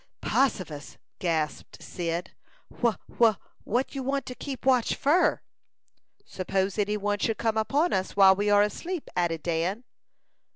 "Possifus!" gasped Cyd. "Wha wha what you want to keep watch fur?" "Suppose any one should come upon us while we are asleep?" added Dan.